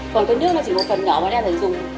còn cái nước nó chỉ một phần nhỏ mà đem lại dùng